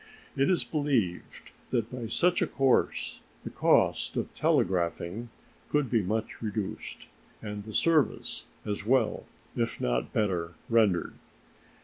It is believed that by such a course the cost of telegraphing could be much reduced, and the service as well, if not better, rendered.